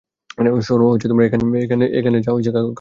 শুনো, এখানে যা হইসে, কাউকে বলো না।